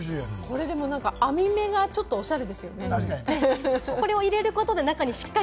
これ、網目がちょっとおしゃれですよね。